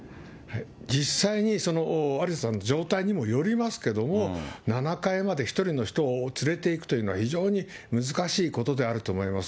実際に、ありささんの状態にもよりますけど、７階まで１人の人を連れていくというのは、非常に難しいことであると思います。